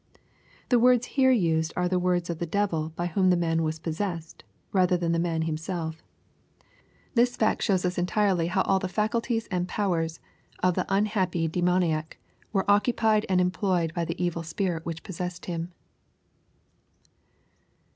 The words here used are the words of the devil by whom the man was possessed, rather than the man lumsel£ Tliis fact shows 272 BXPOSITORT THOUGHTS. OS how entirely all the faculties and powers of the unhappy dei moniac were occupied and employed by the evil spirit which pos« sessed him.